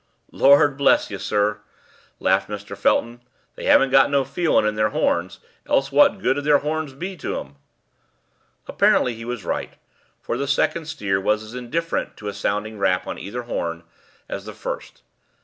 "Lord bless you, sir," laughed Mr. Felton, "they haven't got no feeling in their horns, else what good 'ud their horns be to 'em?" Apparently he was right, for the second steer was as indifferent to a sounding rap on either horn as the first.